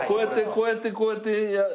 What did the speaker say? こうやってこうやってやるやつ。